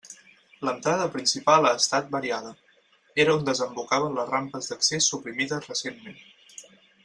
L'entrada principal ha estat variada: era on desembocaven les rampes d'accés suprimides recentment.